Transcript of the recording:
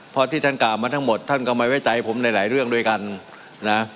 เพราะที่ท่านกล่าวมาทั้งหมดท่านก็ไม่ไว้ใจผมในหลายเรื่องด้วยกันนะ